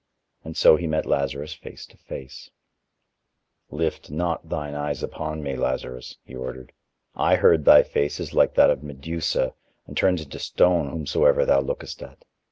And so he met Lazarus face to face: "Lift not thine eyes upon me, Lazarus," he ordered. "I heard thy face is like that of Medusa and turns into stone whomsoever thou lookest at.